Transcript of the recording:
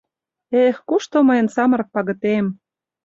— Эх, кушто мыйын самырык пагытем?..